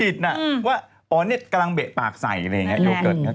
อ๋อพี่พี่นี่กำลังเบะปากใส่อย่างงี้โยเกิร์ต